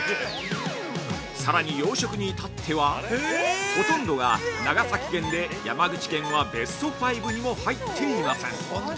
さらに、養殖に至ってはほとんどが長崎県で山口県はベスト５にも入っていません。